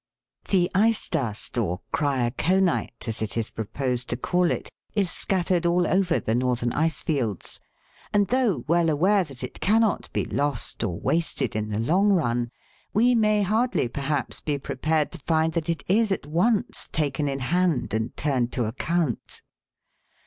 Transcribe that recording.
The ice dust or " kryokonit," as it is proposed to call it, is scattered all over the northern ice fields, and though well aware that it cannot be lost or wasted in the long run, we may hardly, perhaps, be prepared to find that it is at once taken in hand and turned to account.